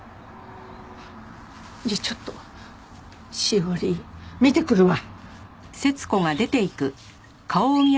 じゃあちょっと志生里見てくるわ。